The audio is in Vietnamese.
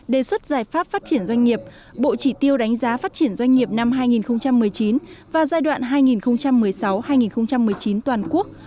đề xuất giải pháp phát triển doanh nghiệp bộ chỉ tiêu đánh giá phát triển doanh nghiệp năm hai nghìn một mươi chín và giai đoạn hai nghìn một mươi sáu hai nghìn một mươi chín toàn quốc